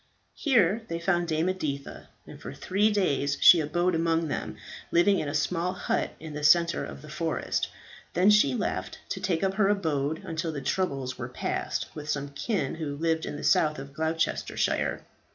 Here they found Dame Editha, and for three days she abode among them, living in a small hut in the centre of the forest. Then she left, to take up her abode, until the troubles were past, with some kin who lived in the south of Gloucestershire.